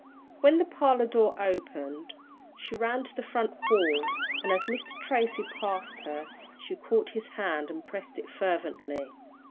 When the parlour door opened, she ran to the front hall, and as Mr. Tracy passed her, she caught his hand and pressed it fervently.